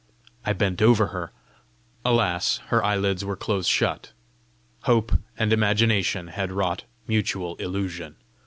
I bent over her. Alas, her eyelids were close shut! Hope and Imagination had wrought mutual illusion!